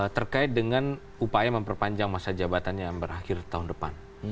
terkait dengan upaya memperpanjang masa jabatannya yang berakhir tahun depan